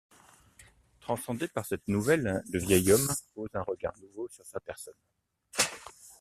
Transcendé par cette nouvelle, le vieil homme pose un regard nouveau sur sa personne.